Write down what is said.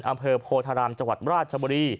อำเภอโพธารามจังหวัดราชบุรี